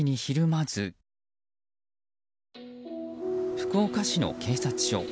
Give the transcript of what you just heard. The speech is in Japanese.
福岡市の警察署。